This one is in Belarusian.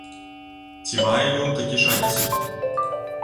Ці мае ён такі шанец?